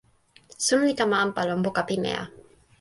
suno li kama anpa lon poka pimeja.